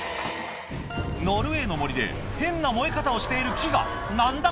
ノルウェーの森で変な燃え方をしている木が何だ？